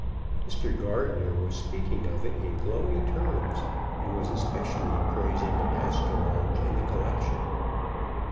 Mr. Gardner was speaking of it in glowing terms, and was especially praising a maskinonge in the collection.